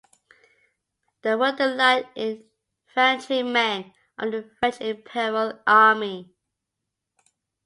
The were the light infantrymen of the French Imperial army.